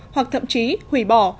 hoặc thậm chí hủy bỏ